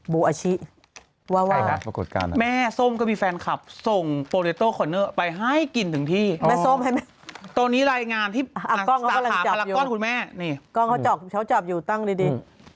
บูอาชิวาววาใช่ค่ะปรากฏการณ์